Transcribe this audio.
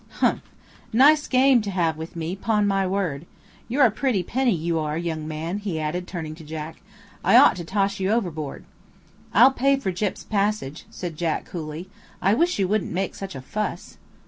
"Humph! Nice game to have with me, 'pon my word. You're a pretty penny, you are, young man," he added, turning to Jack. "I ought to toss you overboard." "I'll pay for Gyp's passage," said Jack coolly. "I wish you wouldn't make such a fuss."